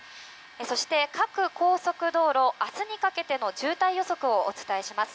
そして各高速道路明日にかけての渋滞予測をお伝えします。